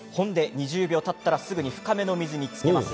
２０秒たったらすぐに深めの水につけます。